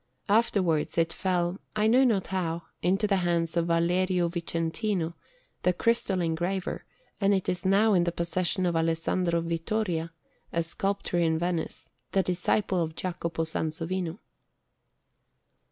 Afterwards it fell, I know not how, into the hands of Valerio Vicentino, the crystal engraver, and it is now in the possession of Alessandro Vittoria, a sculptor in Venice, the disciple of Jacopo Sansovino.